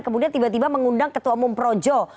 kemudian tiba tiba mengundang ketua umum projo